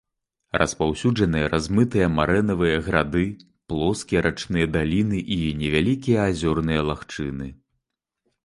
Распаўсюджаныя размытыя марэнавыя грады, плоскія рачныя даліны і невялікія азёрныя лагчыны.